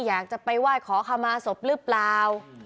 อยากจะไปไหว้ขอขมาศพหรือเปล่า